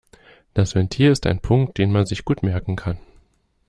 Das Ventil ist ein Punkt, den man sich gut merken kann.